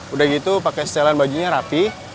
udah gitu pakai setelan bajunya rapi